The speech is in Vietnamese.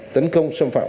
tấn công xâm phạm